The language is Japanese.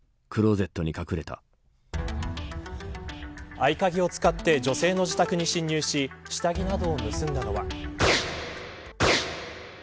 合鍵を使って女性の自宅に侵入し下着などを盗んだのは。